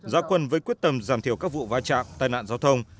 gia quân với quyết tâm giảm thiểu các vụ vai trạng tai nạn giao thông